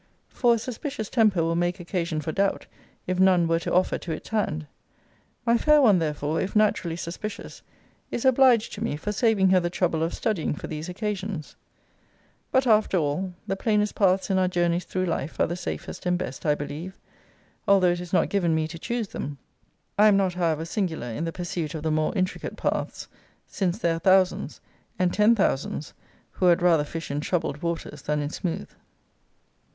For a suspicious temper will make occasion for doubt, if none were to offer to its hand. My fair one therefore, if naturally suspicious, is obliged to me for saving her the trouble of studying for these occasions but, after all, the plainest paths in our journeys through life are the safest and best I believe, although it is not given me to choose them; I am not, however, singular in the pursuit of the more intricate paths; since there are thousands, and ten thousands, who had rather fish in troubled waters than in smooth.